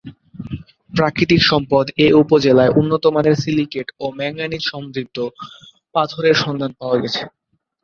প্রাকৃতিক সম্পদ এ উপজেলায় উন্নতমানের সিলিকেট ও ম্যাঙ্গানিজসমৃদ্ধ পাথরের সন্ধান পাওয়া গেছে।